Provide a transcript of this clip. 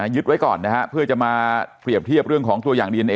ยึดไว้ก่อนนะฮะเพื่อจะมาเปรียบเทียบเรื่องของตัวอย่างดีเอนเอ